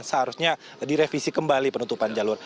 seharusnya direvisi kembali penutupan jalur